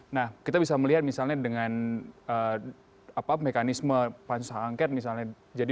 nah kita bisa melihat misalnya dengan mekanisme panjang angket misalnya jadi